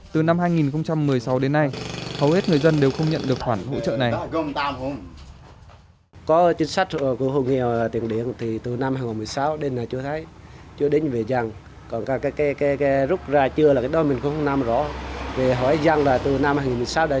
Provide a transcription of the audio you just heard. từ năm hai nghìn một mươi sáu đến nay hầu hết người dân đều không nhận được khoản hỗ trợ này